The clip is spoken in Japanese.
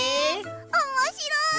おもしろい！